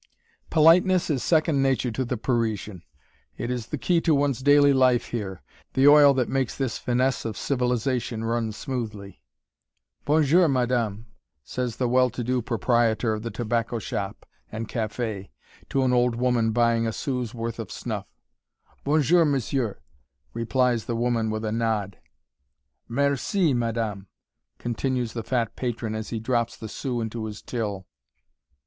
Politeness is second nature to the Parisian it is the key to one's daily life here, the oil that makes this finesse of civilization run smoothly. "Bonjour, madame!" says the well to do proprietor of the tobacco shop and café to an old woman buying a sou's worth of snuff. "Bonjour, monsieur," replies the woman with a nod. "Merci, madame," continues the fat patron as he drops the sou into his till.